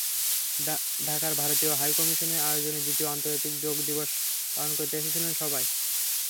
ঢাকার ভারতীয় হাইকমিশনের আয়োজনে দ্বিতীয় আন্তর্জাতিক যোগ দিবস পালন করতে এসেছিলেন সবাই।